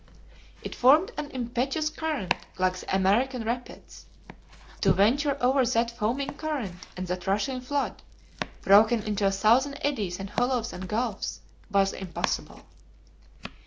It formed an impetuous current, like the American rapids. To venture over that foaming current and that rushing flood, broken into a thousand eddies and hollows and gulfs, was impossible.